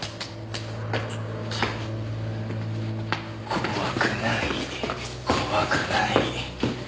怖くない怖くない。